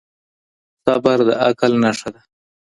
صبر د عقل نښه ده